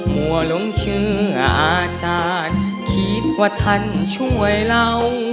มั่วหลงเชื่ออาจารย์คิดว่าท่านช่วยเรา